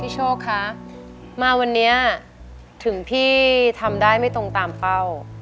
โชคคะมาวันนี้ถึงพี่ทำได้ไม่ตรงตามเป้า